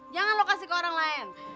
jangan lo kasih ke orang lain